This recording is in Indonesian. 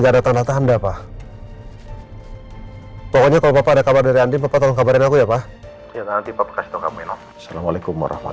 ada tanda tanda pak pokoknya kalau ada kabar dari andin papa tolong kabarin aku ya pak